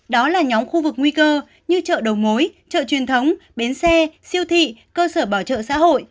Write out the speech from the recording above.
đó là nhóm khu vực nguy cơ như chợ đầu mối chợ truyền thống bến xe siêu thị cơ sở bảo trợ xã hội